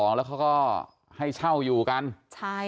สวัสดีคุณผู้ชายสวัสดีคุณผู้ชาย